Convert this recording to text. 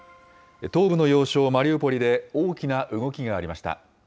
東部の要衝マリウポリで大きな動きがありました。